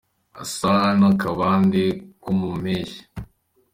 Asa n’akabande ko mu mpeshyi